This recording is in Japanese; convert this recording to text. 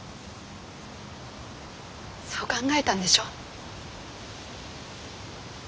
そう考えたんでしょう？